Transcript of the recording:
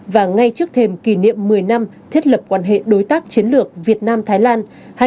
và ngay trước thềm kỷ niệm một mươi năm thiết lập quan hệ đối tác chiến lược việt nam thái lan hai nghìn một mươi ba